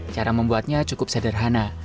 cara membuatnya cukup sederhana